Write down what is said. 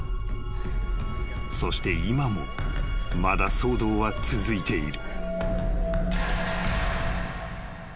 ［そして今もまだ騒動は続いている］